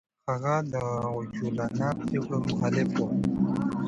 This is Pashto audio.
هغه د عجولانه پرېکړو مخالف و.